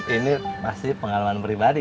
ini pasti pengalaman pribadi